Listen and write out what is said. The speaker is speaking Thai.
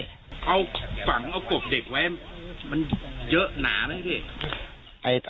เขาฝังเอากบเด็กไว้มันเยอะหนาไหมพี่